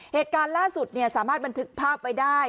เหตุการณ์ล่าสุดสามารถบันทึกภาพไว้ได้